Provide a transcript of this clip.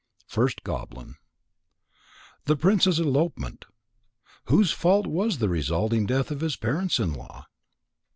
FIRST GOBLIN _The Prince's Elopement. Whose fault was the resulting death of his parents in law?